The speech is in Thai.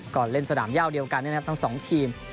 เล่นสนามย่าวเดียวกันนะครับทั้งสองทีม